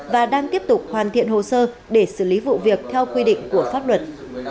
và đang tiếp tục hoàn thiện hồ sơ để xử lý vụ việc theo quy định của pháp luật